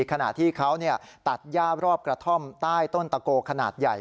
ขณะที่เขาตัดย่ารอบกระท่อมใต้ต้นตะโกขนาดใหญ่